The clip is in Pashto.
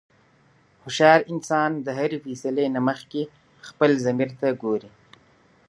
هوښیار انسان د هرې فیصلې نه مخکې خپل ضمیر ته ګوري.